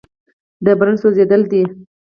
د برن سوځېدل دي.